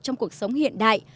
trong cuộc sống hiện đại